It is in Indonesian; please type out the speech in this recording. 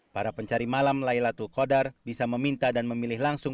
para pencari malam laylatul qadar bisa meminta dan memilih langsung